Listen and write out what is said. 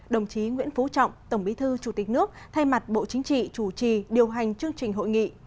đồng chí nguyễn phú trọng tổng bí thư chủ tịch nước thay mặt bộ chính trị chủ trì điều hành chương trình hội nghị